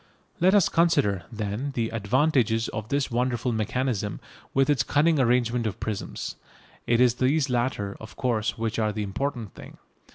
Let us consider, then, the advantages of this wonderful mechanism, with its cunning arrangement of prisms. It is these latter, of course, which are the important thing.